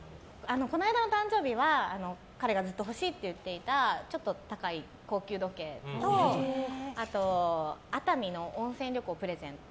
この間の誕生日は彼がずっと欲しいって言っていたちょっと高い高級時計とあと、熱海の温泉旅行をプレゼント